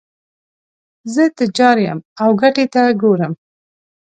زه تجار یم او ګټې ته ګورم.